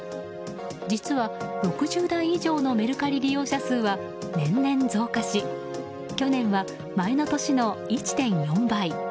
実は、６０代以上のメルカリ利用者数は年々、増加し去年は前の年の１．４倍。